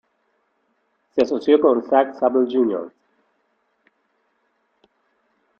Se asoció con Zack Sable Jr.